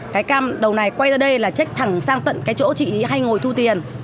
cái cam đầu này quay ra đây là trách thẳng sang tận cái chỗ chị hay ngồi thu tiền